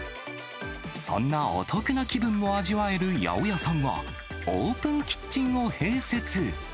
そんなお得な気分を味わえる八百屋さんは、オープンキッチンを併設。